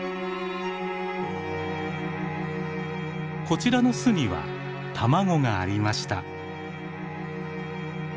こちらの巣には卵がありました。